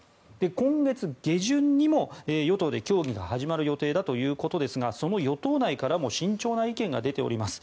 今月下旬にも与党で協議が始まる予定だということですがその与党内からも慎重な意見が出ております。